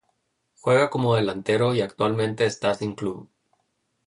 Juega como delantero y actualmente está sin club.